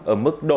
ở mức đối tượng